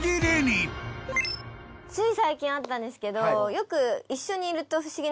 つい最近あったんですけどよく。